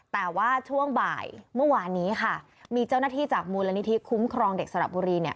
แต่ว่าช่วงบ่ายเมื่อวานนี้มีเจ้าหน้าที่จากมูลละนิทิขุมครองเด็กสทักษุบุรี